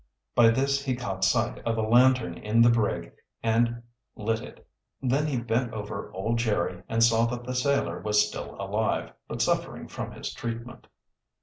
By this he caught sight of a lantern in the brig and lit it. Then he bent over old Jerry, and saw that the sailor was still alive, but suffering from his treatment.